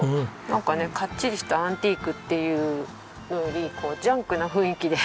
なんかねかっちりしたアンティークっていうのよりジャンクな雰囲気で。